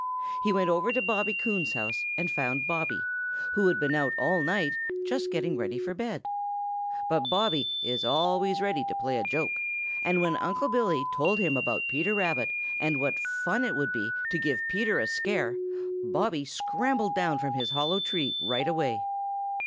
He went over to Bobby Coon's house and found Bobby, who had been out all night, just getting ready for bed. But Bobby is always ready to play a joke, and when Unc' Billy told him about Peter Rabbit and what fun it would be to give Peter a scare, Bobby scrambled down from his hollow tree right away.